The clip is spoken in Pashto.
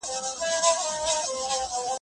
رڼا واخله او شپه ویښه کړه